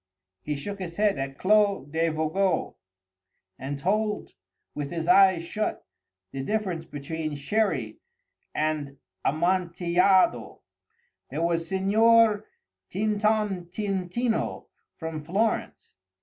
He shook his head at Clos de Vougeot, and told, with his eyes shut, the difference between Sherry and Amontillado. There was Signor Tintontintino from Florence.